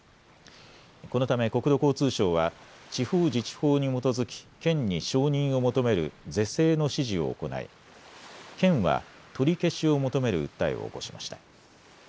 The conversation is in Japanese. このため国土交通省は地方自治法に基づき、県に承認を求める是正の指示を行い県は取り消しを求める訴えを起こしました。